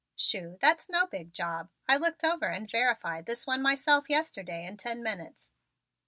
"Shoo, that's no big job. I looked over and verified this one myself yesterday in ten minutes.